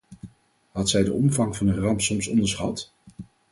Had zij de omvang van de ramp soms onderschat?